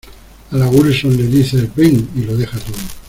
a la Wilson le dices ven y lo deja todo.